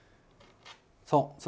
そう。